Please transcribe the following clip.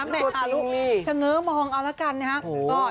แม่ลูกเฉง้อมองเอาละกันนะครับ